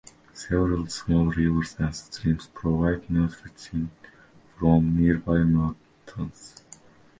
Several small rivers and streams provide nutrients from nearby mountains.